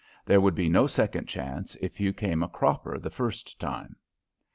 There would be no second chance if you came a cropper the first time.